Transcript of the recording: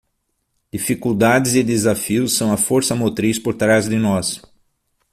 Dificuldades e desafios são a força motriz por trás de nós